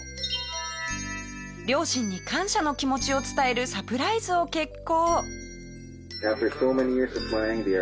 両親に感謝の気持ちを伝えるサプライズを決行。